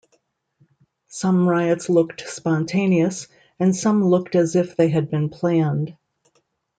Some riots looked spontaneous and some looked as if they had been planned.